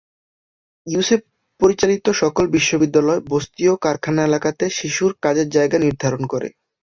ইউসেপ পরিচালিত সকল বিদ্যালয় বস্তি ও কারখানা এলাকাতে শিশুর কাজের জায়গা নির্ধারণ করে।